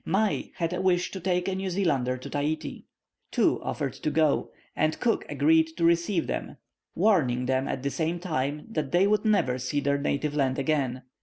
Mai had a wish to take a New Zealander to Tahiti. Two offered to go, and Cook agreed to receive them, warning them at the same time that they would never see their native land again.